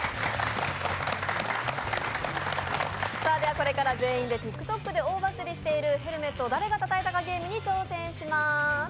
これから全員でＴｉｋＴｏｋで大バズりしている「ヘルメットを誰が叩いたかゲーム」に挑戦します。